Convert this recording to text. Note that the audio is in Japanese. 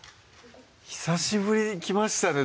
久しぶりにきましたね